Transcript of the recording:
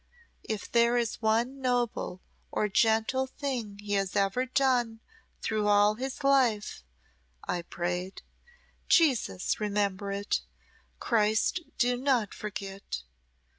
'If there is one noble or gentle thing he has ever done through all his life,' I prayed, 'Jesus remember it Christ do not forget.'